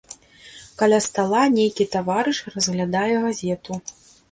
Каля стала нейкі таварыш разглядае газету.